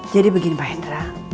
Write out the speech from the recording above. jadi begini pak hendra